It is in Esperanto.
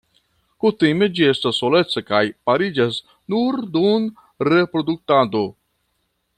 Kutime ĝi estas soleca kaj pariĝas nur dum reproduktado.